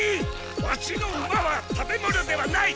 ワシの馬は食べ物ではない！